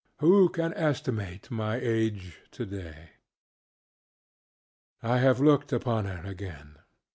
Who can estimate my age today? I have looked upon her again.